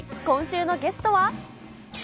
今週のゲストは？